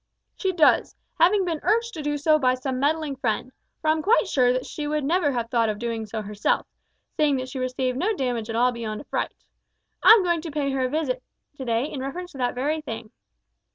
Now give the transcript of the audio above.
"She does, having been urged to do so by some meddling friend; for I'm quite sure that she would never have thought of doing so herself, seeing that she received no damage at all beyond a fright. I'm going to pay her a visit to day in reference to that very thing."